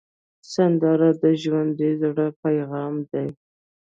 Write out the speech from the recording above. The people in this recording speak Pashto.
سندره د ژوندي زړه پیغام دی